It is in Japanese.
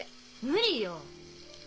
無理よ！